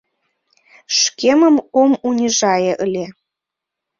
Шкемым ом унижае ыле.